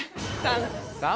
３。